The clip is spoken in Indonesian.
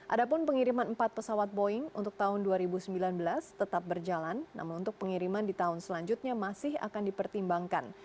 adapun pengiriman empat pesawat boeing untuk tahun dua ribu sembilan belas tetap berjalan namun untuk pengiriman di tahun selanjutnya masih akan dipertimbangkan